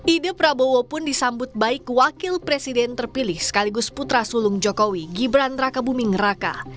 ide prabowo pun disambut baik wakil presiden terpilih sekaligus putra sulung jokowi gibran raka buming raka